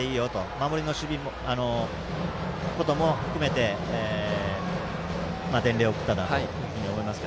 守りのことも含めて伝令を送ったんだと思います。